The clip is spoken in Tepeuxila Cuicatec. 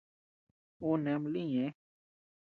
Ú nëʼe ama lï ñëʼe.